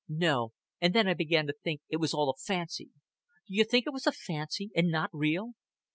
"No, and then I began to think it was all a fancy. D'you think it was a fancy, and not real?"